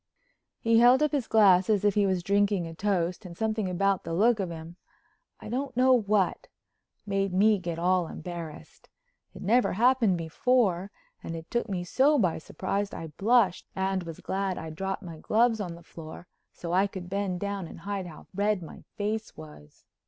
He held up his glass as if he was drinking a toast, and something about the look of him—I don't know what—made me get all embarrassed. It never happened before and it took me so by surprise I blushed and was glad I'd dropped my gloves on the floor so I could bend down and hide how red my face was.